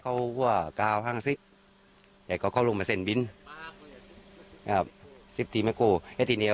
เขาบอกไม่เคยเจอมาก่อนเลย